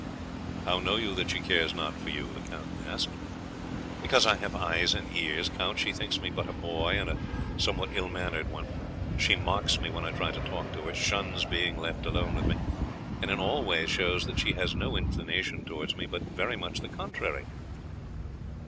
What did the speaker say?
"How know you that she cares not for you?" the count asked. "Because I have eyes and ears, Count. She thinks me but a boy, and a somewhat ill mannered one. She mocks me when I try to talk to her, shuns being left alone with me, and in all ways shows that she has no inclination towards me, but very much the contrary."